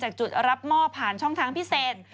จุดรับมอบผ่านช่องทางพิเศษ